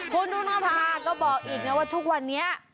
คุณนุนภาก็บอกอีกนะว่าทุกวันนี้